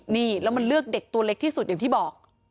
นี่แล้วมันเลือกเด็กตัวเล็กที่สุดอย่างที่บอก